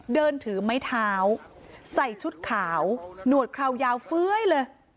เดินถือไม้เท้าใส่ชุดขาวหนวดคราวยาวเฟ้ยเลย